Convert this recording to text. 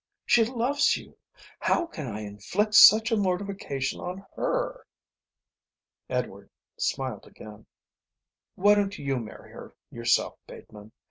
She loves you. How can I inflict such a mortification on her?" Edward smiled again. "Why don't you marry her yourself, Bateman?